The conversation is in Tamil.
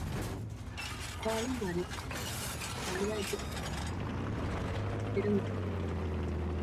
அன்பாலும் அறிவாலும் ஒரு புதிய சமுதாயத்தையே உருவாக்குகின்ற பொறுப்பு எங்களிடம் இருக்கிறதே!